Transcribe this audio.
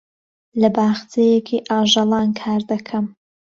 لە باخچەیەکی ئاژەڵان کار دەکەم.